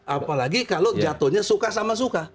apalagi kalau jatuhnya suka sama suka